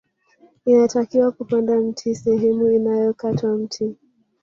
Inatakiwa kupanda mti sehemu iliyokatwa mti